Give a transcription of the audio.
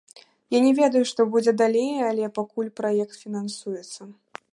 Я не ведаю, што будзе далей, але пакуль праект фінансуецца.